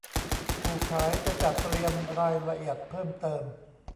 ผู้ขายจะจัดเตรียมรายละเอียดเพิ่มเติม